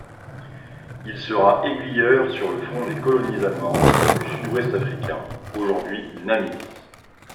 Il sera aiguilleur sur le front des colonies allemandes du sud-ouest africain, aujourd'hui Namibie.